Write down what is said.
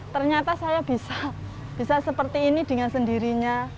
ternyata saya bisa seperti ini dengan sendirinya